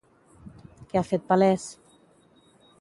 Què ha fet palès?